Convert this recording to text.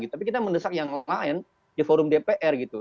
tapi kita mendesak yang lain di forum dpr gitu